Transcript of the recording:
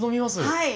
はい。